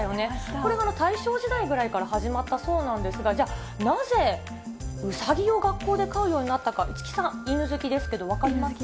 これが大正時代ぐらいから始まったそうなんですが、じゃあなぜ、うさぎを学校で飼うようになったか、市來さん、犬好きですけど、分かりますか？